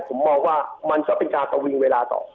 ผมมองว่ามันก็เป็นการประวิงเวลาต่อ